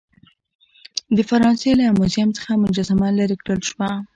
د فرانسې له یو موزیم څخه مجسمه لیرې کړل شوه.